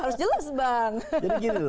harus jelas bang